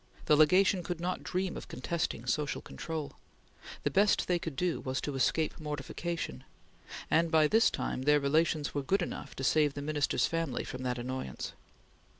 The Legation could not dream of contesting social control. The best they could do was to escape mortification, and by this time their relations were good enough to save the Minister's family from that annoyance.